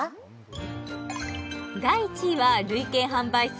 第１位は累計販売数